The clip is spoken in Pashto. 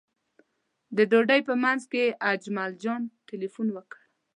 د ډوډۍ په منځ کې اجمل جان تیلفون وکړ.